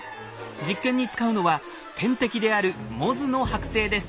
実験に使うのは天敵であるモズの剥製です。